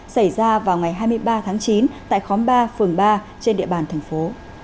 xảy ra vào ngày hai mươi ba tháng chín tại khóm ba phường ba trên địa bàn thành phố